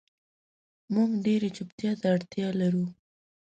مونږ ډیرې چوپتیا ته اړتیا لرو